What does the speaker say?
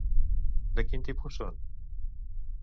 De quin tipus són?